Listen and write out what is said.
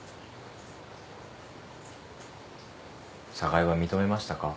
寒河江は認めましたか？